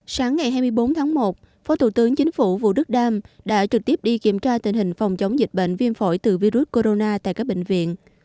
sáng ngày hai mươi bốn tháng một phó thủ tướng chính phủ vũ đức đam đã trực tiếp đi kiểm tra tình hình phòng chống dịch bệnh viêm phổi từ virus corona tại các bệnh viện